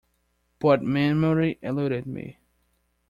But memory eluded me.